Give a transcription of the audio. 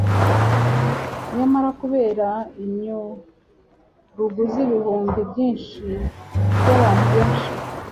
Nyamara kubera inyurugu z'ibihumbi byinshi by'abantu benshi